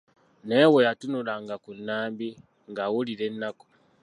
Naye bwe yatunulanga ku Nambi ng'awulira ennaku.